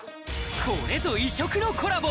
これぞ異色のコラボ